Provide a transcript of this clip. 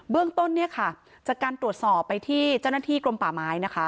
เรื่องต้นเนี่ยค่ะจากการตรวจสอบไปที่เจ้าหน้าที่กรมป่าไม้นะคะ